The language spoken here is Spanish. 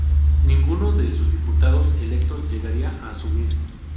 Ninguno de sus diputados electos llegaría a asumir.